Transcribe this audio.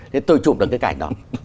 thế tôi chụp được cái cảnh đó